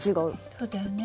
そうだよね。